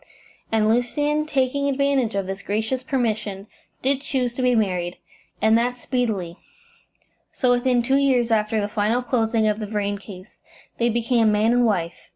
And Lucian, taking advantage of this gracious permission, did choose to be married, and that speedily; so within two years after the final closing of the Vrain case they became man and wife.